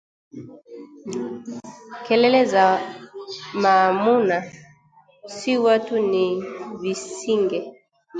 Kelele za maamuna, si watu ni visinge,